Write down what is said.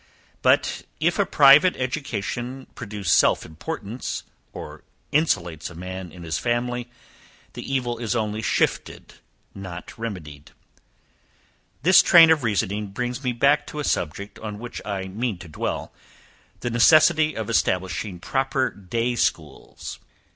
But, if a private education produce self importance, or insulates a man in his family, the evil is only shifted, not remedied. This train of reasoning brings me back to a subject, on which I mean to dwell, the necessity of establishing proper day schools.